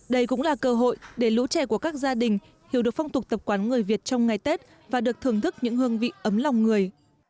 đây cũng là cơ hội để lũ trẻ của các gia đình hiểu được phong tục tập quán người việt trong ngày tết và được thưởng thức những hương vị ấm lòng người